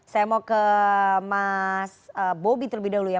saya mau ke mas bobi terlebih dahulu ya